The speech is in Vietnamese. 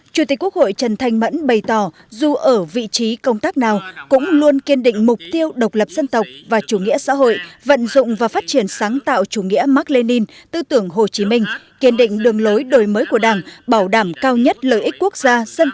chủ tịch quốc hội trần thanh mẫn bày tỏ dù ở vị trí công tác nào cũng luôn kiên định mục tiêu độc lập dân tộc và chủ nghĩa xã hội vận dụng và phát triển sáng tạo chủ nghĩa mark lenin tư tưởng hồ chí minh kiên định đường lối đổi mới của đảng bảo đảm cao nhất lợi ích quốc gia